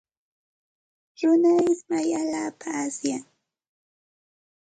Runa ismay allaapaqmi asyan.